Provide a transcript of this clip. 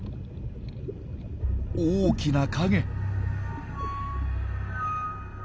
大きな影。